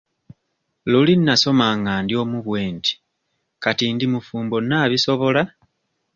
Luli nasoma nga ndi omu bwe nti kati ndi mufumbo naabisobola?